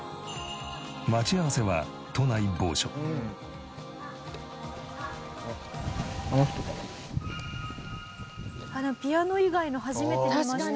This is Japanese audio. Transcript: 待ち合わせはピアノ以外の初めて見ました。